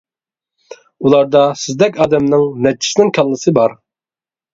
ئۇلاردا سىزدەك ئادەمنىڭ نەچچىسىنىڭ كاللىسى بار.